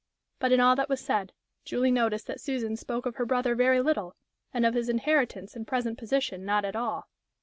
But in all that was said, Julie noticed that Susan spoke of her brother very little, and of his inheritance and present position not at all.